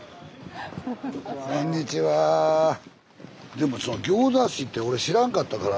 でも行田市って俺知らんかったから。